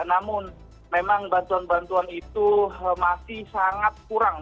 namun memang bantuan bantuan itu masih sangat kurang